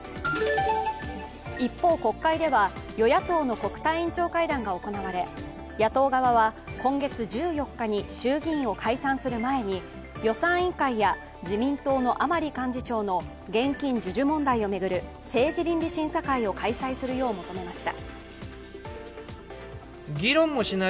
一方、国会では与野党の国対委員長会談が行われ、野党側は今月１４日に衆議院を解散する前に予算委員会は、自民党の甘利幹事長の現金授受問題を巡る政治倫理審査会を開催するよう求めました。